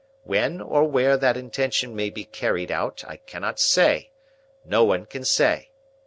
When or where that intention may be carried out, I cannot say; no one can say.